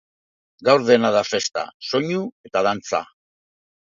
Gaur dena da festa, soinu eta dantza.